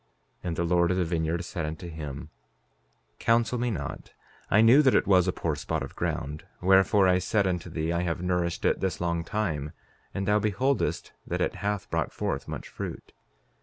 5:22 And the Lord of the vineyard said unto him: Counsel me not; I knew that it was a poor spot of ground; wherefore, I said unto thee, I have nourished it this long time, and thou beholdest that it hath brought forth much fruit.